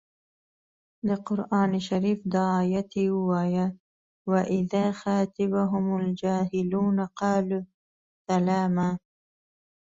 د قران شریف دا ایت یې ووايه و اذا خاطبهم الجاهلون قالو سلاما.